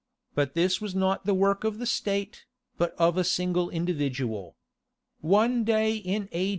But this was not the work of the State, but of a single individual. One day in A.